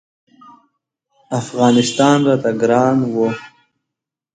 افغانستان راته ګران و.